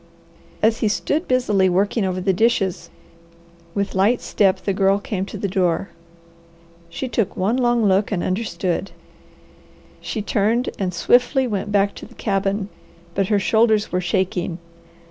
As he stood busily working over the dishes, with light step the Girl came to the door. She took one long look and understood. She turned and swiftly went back to the cabin, but her shoulders were shaking.